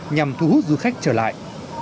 nhằm thu hút du khách trở lại